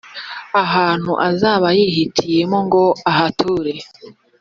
ahantu azaba yihitiyemo ngo ahature